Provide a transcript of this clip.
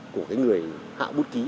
của cái người hạ bút ký